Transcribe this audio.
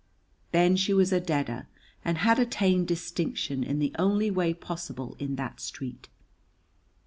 Then she was a deader and had attained distinction in the only way possible in that street.